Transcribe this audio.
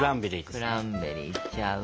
クランベリーいっちゃう？